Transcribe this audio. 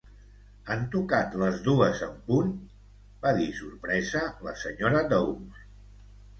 "Han tocat les dues en punt?", va dir sorpresa la senyora Dawes.